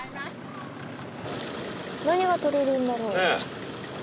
何がとれるんだろう？ね。